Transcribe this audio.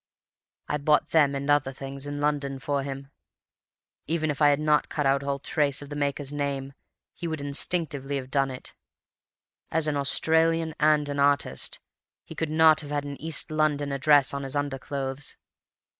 I bought them, and other things, in London for him. Even if I had not cut out all trace of the maker's name, he would instinctively have done it. As an Australian and an artist, he could not have an East London address on his underclothes.